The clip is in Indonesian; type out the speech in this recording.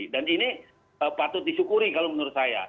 dan ini patut disyukuri kalau menurut saya